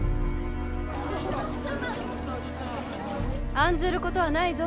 案ずることはないぞ。